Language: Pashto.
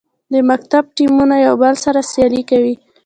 د مکتب ټیمونه یو بل سره سیالي کوي.